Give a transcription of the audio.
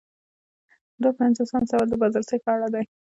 دوه پنځوسم سوال د بازرسۍ په اړه دی.